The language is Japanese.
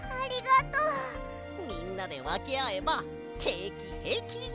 みんなでわけあえばへいきへいき！